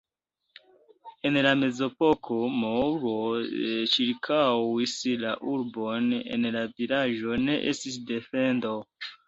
En la mezepoko muro ĉirkaŭis la urbon, en la vilaĝo ne estis defendo.